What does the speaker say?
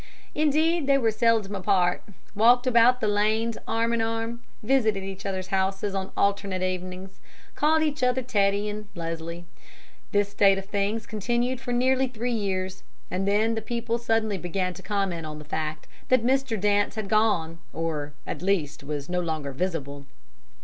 Indeed, they were seldom apart, walked about the lanes arm in arm, visited each other's houses on alternate evenings, called each other "Teddy" and "Leslie." This state of things continued for nearly three years, and then people suddenly began to comment on the fact that Mr. Dance had gone, or at least was no longer visible.